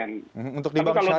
untuk di bank syariahnya apa